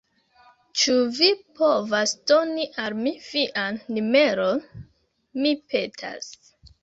Ĉu vi povas doni al mi vian numeron? Mi petas